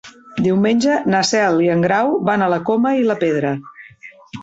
Diumenge na Cel i en Grau van a la Coma i la Pedra.